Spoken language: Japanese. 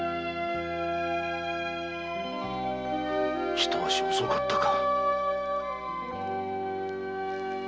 ひと足遅かったか。